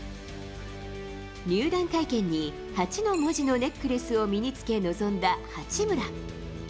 入団会見に、八の文字のネックレスを身につけ臨んだ八村。